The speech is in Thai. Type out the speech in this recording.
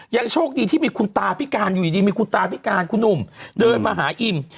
ยังโชคดีที่มีคุณตาพิการอยู่ดีมีคุณตาพิการคุณหนุ่มเดินมาหาอิม